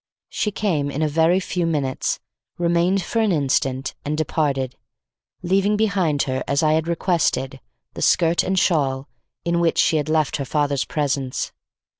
She came in a very few minutes, remained for an instant, and departed, leaving behind her as I had requested, the skirt and shawl in which she had left her father's presence.